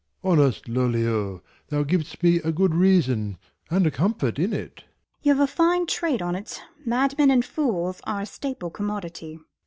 Alib. Honest Lollio, thou giv'st me a good reason, And a comfort in it. Isa. Y'have a fine trade on't, 275 Madmen and fools are a staple commodity.